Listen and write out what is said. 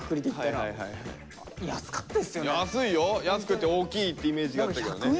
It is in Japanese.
安いよ！安くて大きいってイメージがあったけどね。